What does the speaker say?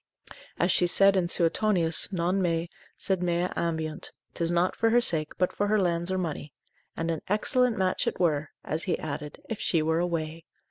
As she said in Suetonius, non me, sed mea ambiunt, 'tis not for her sake, but for her lands or money; and an excellent match it were (as he added) if she were away.